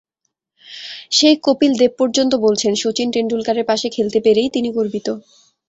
সেই কপিল দেব পর্যন্ত বলছেন, শচীন টেন্ডুলকারের পাশে খেলতে পেরেই তিনি গর্বিত।